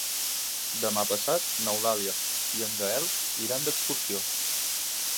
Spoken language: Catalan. Demà passat n'Eulàlia i en Gaël iran d'excursió.